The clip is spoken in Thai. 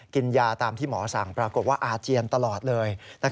กินยาตามที่หมอสั่งปรากฏว่าอาเจียนตลอดเลย